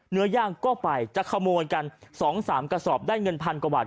ย่างก็ไปจะขโมยกัน๒๓กระสอบได้เงินพันกว่าบาท